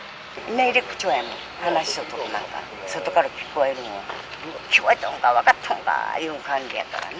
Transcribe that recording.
命令口調やもん、話してることなんか、外から聞こえるもん、聞こえとんか、分かっとんかいう感じやからね。